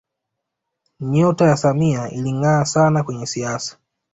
nyota ya samia ilingaa sana kwenye siasa